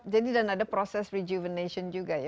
jadi dan ada proses rejuvenation juga ya